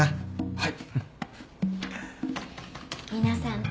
はい。